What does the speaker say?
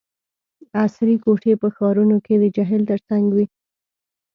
عصري کوټي په ښارونو کې د جهیل ترڅنګ وي